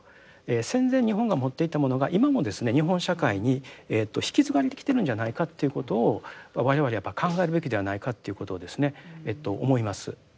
戦前日本が持っていたものが今もですね日本社会に引き継がれてきているんじゃないかっていうことを我々はやっぱり考えるべきではないかっていうことをですね思います。